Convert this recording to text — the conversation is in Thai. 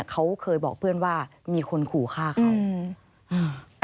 เขาเคยบอกเพื่อนว่ามีคนขู่ฆ่าเขาอืม